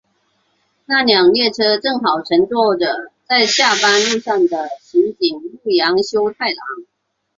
那辆列车正好乘坐着在下班路上的刑警木场修太郎。